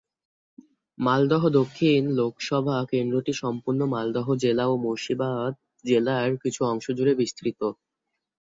মালদহ দক্ষিণ লোকসভা কেন্দ্রটি সম্পূর্ণ মালদহ জেলা ও মুর্শিদাবাদ জেলার কিছু অংশ জুড়ে বিস্তৃত।